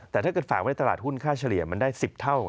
แต่ถ้าเกิดฝากไว้ตลาดหุ้นค่าเฉลี่ยมันได้๑๐เท่า